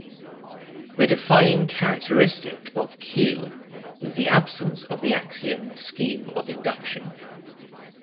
The defining characteristic of Q is the absence of the axiom scheme of induction.